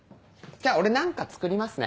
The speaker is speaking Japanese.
じゃあ俺何か作りますね。